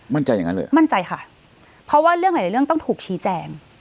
มั่นใจอย่างนั้นเลยมั่นใจค่ะเพราะว่าเรื่องไหนเรื่องต้องถูกชี้แจง